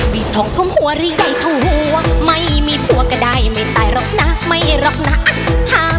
ไม่ต้องกลัวมีของเพราะหัวหรี่ใหญ่เท่าหัว